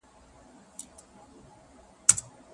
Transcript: کله بې غږه پاته کېدل تر ټولو غوره رواني درملنه وي؟